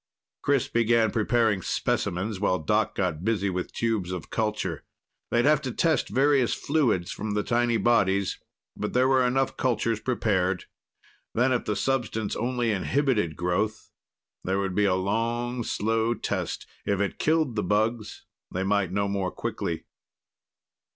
Chris began preparing specimens, while Doc got busy with tubes of the culture. They'd have to test various fluids from the tiny bodies, but there were enough cultures prepared. Then, if the substance only inhibited growth, there would be a long, slow test; if it killed the bugs, they might know more quickly.